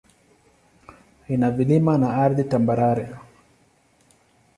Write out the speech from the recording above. Ina vilima na ardhi tambarare.